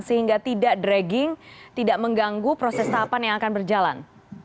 sehingga tidak dragging tidak mengganggu proses tahapan yang akan berjalan